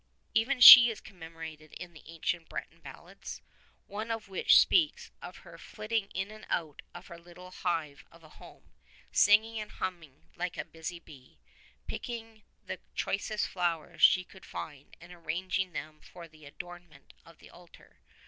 Even she is commemorated in the ancient Breton ballads, one of which speaks of her flitting in and out of her little hive of a home, singing and humming like a busy bee, pick ing the choicest flowers she could find and arranging them for the adornment of the altar.